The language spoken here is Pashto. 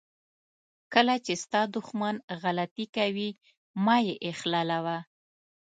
کله چې ستا دښمن غلطي کوي مه یې اخلالوه.